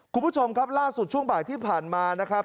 คุณผู้ชมครับล่าสุดช่วงบ่ายที่ผ่านมานะครับ